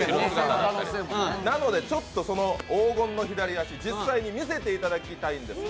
なので、黄金の左足実際に見せていただきたいんです。